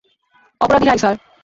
অপরাধীরাই, sir.